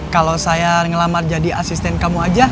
kalau saya ngelamar jadi asisten kamu aja